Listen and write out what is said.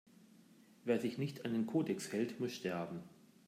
Wer sich nicht an den Kodex hält, muss sterben!